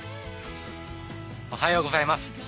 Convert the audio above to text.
おはようございます。